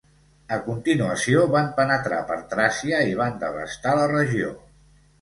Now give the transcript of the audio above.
A continuació van penetrar per Tràcia i van devastar la regió.